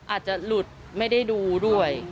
อาจจะหลุดไม่ได้ดูด้วย